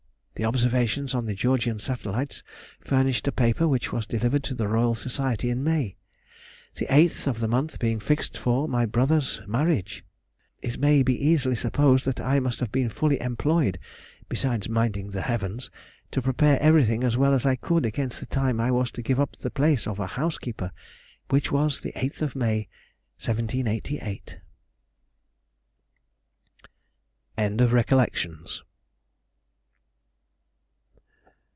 The observations on the Georgian satellites furnished a paper which was delivered to the Royal Society in May. The 8th of that month being fixed on for my brother's marriage, it may easily be supposed that I must have been fully employed (besides minding the heavens) to prepare everything as well as I could against the time I was to give up the place of a housekeeper, which was the 8th of May, 1788. END OF RECOLLECTIONS.